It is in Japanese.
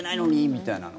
みたいな。